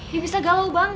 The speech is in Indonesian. ya bisa galau banget